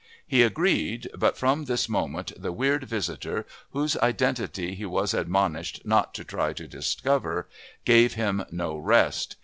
He agreed but from this moment the weird visitor, whose identity he was admonished not to try to discover, gave him no rest.